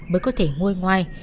mới có thể ngôi ngoài